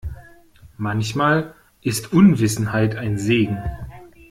Manchmal ist Unwissenheit ein Segen.